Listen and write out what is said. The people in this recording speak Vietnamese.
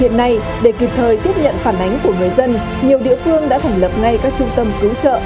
hiện nay để kịp thời tiếp nhận phản ánh của người dân nhiều địa phương đã thành lập ngay các trung tâm cứu trợ